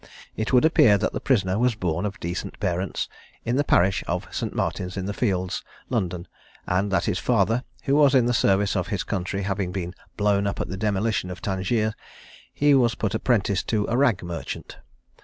It would appear that the prisoner was born of decent parents, in the parish of St. Martin's in the Fields, London; and that his father, who was in the service of his country having been blown up at the demolition of Tangiers, he was put apprentice to a rag merchant.